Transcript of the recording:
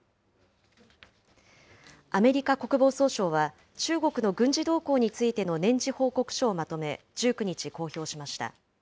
アメリカ国防総省は、中国の軍事動向についての年次報告書をまとめ、１９日、公表しました。